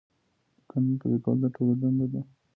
د قانون پلي کول د ټولو دنده ده.